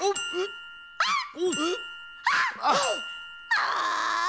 ああ！